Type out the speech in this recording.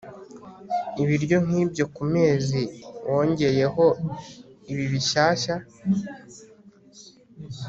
ibiryo nkibyo ku mezi wongeyeho ibi bishyashya